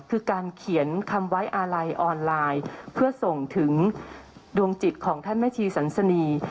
คือการเขียนคำไว้อาลัยออนไลน์เพื่อส่งถึงดวงจิตของท่านแม่ชีสันสนี